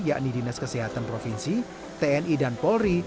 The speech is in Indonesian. yakni dinas kesehatan provinsi tni dan polri